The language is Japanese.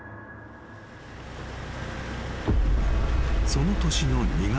［その年の２月。